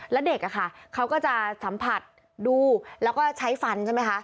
แล้วเด็กเขาก็จะสัมผัสดูแล้วก็ใช้ฟันใช่ไหมคะ